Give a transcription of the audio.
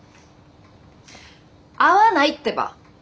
会わないってば。